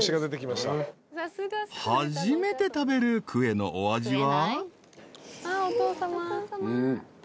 ［初めて食べるクエのお味は］